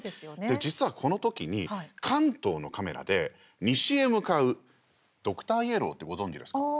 実はこの時に、関東のカメラで西へ向かうドクターイエローってご存じですか。